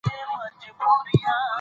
دا فشار د غیرت چغې شاعرۍ سبب شو.